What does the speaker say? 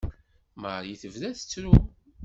Marie tebda tettru.